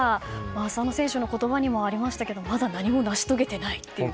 浅野選手の言葉にもありましたがまだ何も成し遂げてないという。